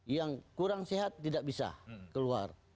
yang kurang sehat tidak bisa keluar